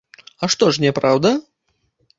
А што ж, няпраўда?